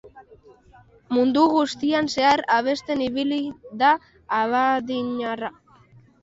Mundu guztian zehar abesten ibili da abadiñarra.